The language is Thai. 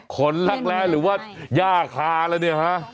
รักแร้หรือว่าย่าคาแล้วเนี่ยฮะ